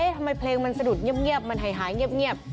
ทำไมเพลงมันสะดุดเงียบมันหายเงียบ